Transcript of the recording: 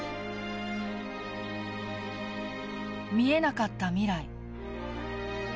見えなかった未来。